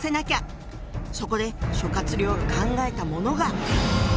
そこで諸亮が考えたものが。